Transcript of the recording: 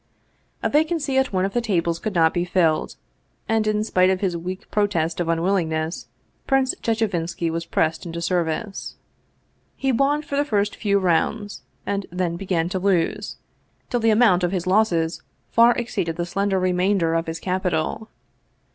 A vacancy at one of the tables could not be filled, and, in spite of his weak protest of unwillingness, Prince Che chevinski was pressed into service. He won for the first few rounds, and then began to lose, till the amount of his losses far exceeded the slender remainder of his capital.